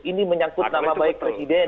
ini menyangkut nama baik presiden